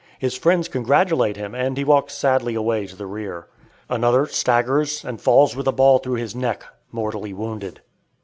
His friends congratulate him, and he walks sadly away to the rear. Another staggers and falls with a ball through his neck, mortally wounded.